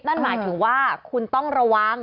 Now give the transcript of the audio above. นั่นหมายถึงว่าคุณต้องระวัง